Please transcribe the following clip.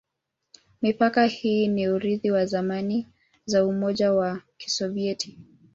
Mipaka hii ni urithi wa zamani za Umoja wa Kisovyeti.